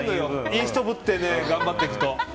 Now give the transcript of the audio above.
いい人ぶって頑張っていくと。